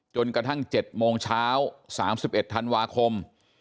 จนกระทั่ง๗โมงเช้า๓๑ธันวาคม